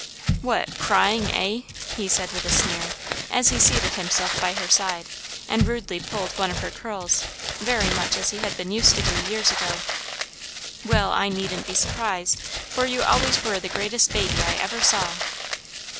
"What, crying, eh?" he said with a sneer, as he seated himself by her side, and rudely pulled one of her curls, very much as he had been used to do years ago. "Well, I needn't be surprised, for you always were the greatest baby I ever saw."